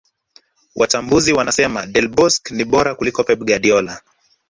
Wachambuzi wanasema Del Bosque ni bora kuliko Pep Guardiola